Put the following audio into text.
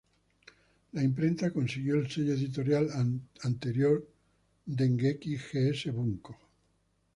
La imprenta consiguió el sello editorial anterior Dengeki G's Bunko.